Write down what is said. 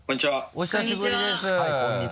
お久しぶりです。